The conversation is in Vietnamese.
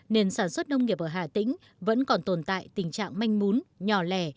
nền sản xuất nông nghiệp ở hạ tỉnh vẫn còn tồn tại tình trạng manh mún nhỏ lẻ